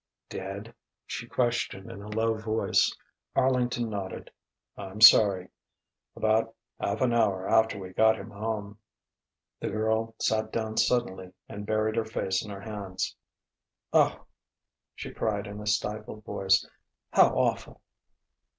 "Dead?" she questioned in a low voice. Arlington nodded. "I'm sorry.... About half an hour after we got him home." The girl sat down suddenly and buried her face in her hands. "Oh!" she cried in a stifled voice "how awful!"